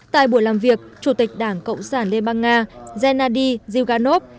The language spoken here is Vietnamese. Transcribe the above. tại buổi làm việc chủ tịch đảng cộng sản liên bang nga gennady zyuganov